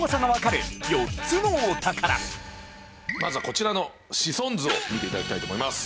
まずはこちらのシソン図を見て頂きたいと思います。